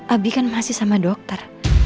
abi kan masih sama dokter